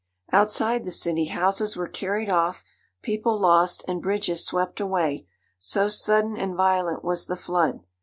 Outside the city, houses were carried off, people lost, and bridges swept away, so sudden and violent was the flood.